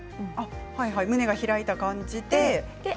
胸が開いた感じですね。